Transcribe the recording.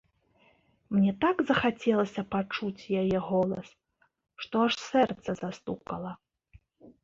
Мне так захацелася пачуць яе голас, што аж сэрца застукала.